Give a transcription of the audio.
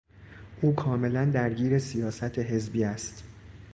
او کاملا درگیر سیاست حزبی است.